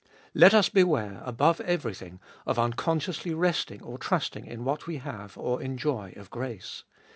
Let us beware, above everything, of unconsciously resting or trusting in what we have or enjoy of grace.